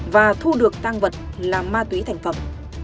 và thu được tang vật làm ma túy thành phẩm